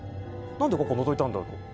何でここのぞいたんだろうと。